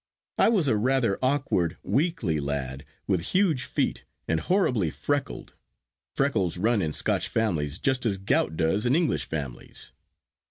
I was a rather awkward, weakly lad, with huge feet, and horribly freckled. Freckles run in Scotch families just as gout does in English families.